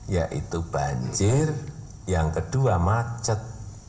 yaitu banjir yang kedua macet